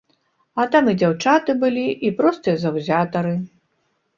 А там і дзяўчаты былі, і простыя заўзятары.